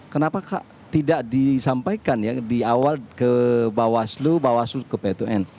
kenapa tidak disampaikan ya di awal ke bawah selu ke pt un